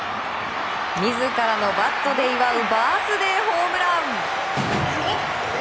自らのバットで祝うバースデーホームラン！